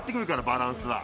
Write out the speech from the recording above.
バランスは。